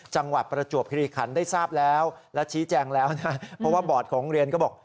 ประจวบคิริขันได้ทราบแล้วและชี้แจงแล้วนะเพราะว่าบอร์ดของโรงเรียนก็บอก